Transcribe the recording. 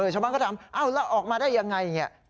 ชาวบ้านก็ถามแล้วออกมาได้อย่างไร